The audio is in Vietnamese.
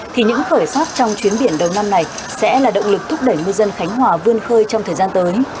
thì những khởi sát trong chuyến biển đầu năm này sẽ là động lực thúc đẩy ngư dân khánh hòa vươn khơi trong thời gian tới